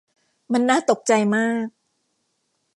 มันน่าตกใจมาก